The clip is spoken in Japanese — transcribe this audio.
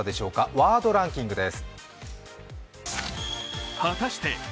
ワードランキングです。